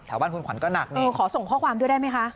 บ้านคุณขวัญก็หนักนะเออขอส่งข้อความด้วยได้ไหมคะ